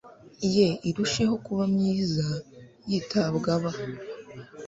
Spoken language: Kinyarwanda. ye irusheho kuba myiza yitabwaba